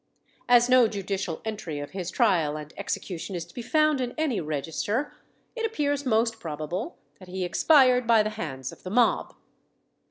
As no judicial entry of his trial and execution is to be found in any register, it appears most probable that he expired by the hands of the mob.